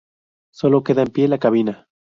Solo queda en pie la cabina.